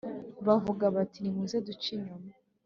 Bavuga bati nimuze duce inyuma